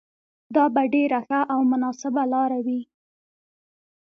دا به ډېره ښه او مناسبه لاره وي.